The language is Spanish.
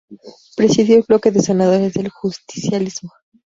Presidió el Bloque de Senadores del Justicialismo.